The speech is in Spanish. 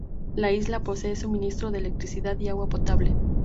La isla posee suministro de electricidad y agua potable.